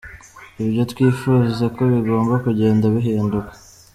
Ibyo twifuza ko bigomba kugenda bihinduka.